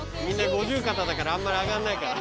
みんな五十肩だからあんまり上がんない。